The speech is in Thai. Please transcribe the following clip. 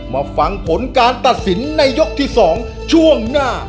มาฟังผลการตัดสินในยกที่๒ช่วงหน้า